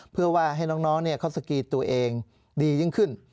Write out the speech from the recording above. เพื่อว่าให้น้องเขาสกีตัวเองดียิ่งขึ้น